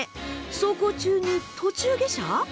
走行中に途中下車？